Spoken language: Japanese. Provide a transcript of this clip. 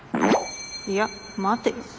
いや待てよ。